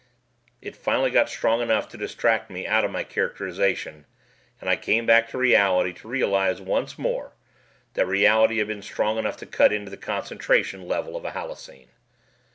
It finally got strong enough to distract me out of my characterization, and I came back to reality to realize once more that reality had been strong enough to cut into the concentration level of a halluscene.